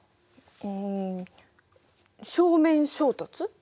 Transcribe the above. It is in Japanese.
うん正面衝突？